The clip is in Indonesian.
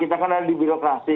kita kan ada di birokrasi